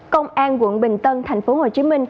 công an quận bình tân tp hcm